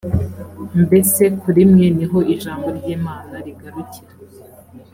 mbese kuri mwe ni ho ijambo ry imana rigarukira ?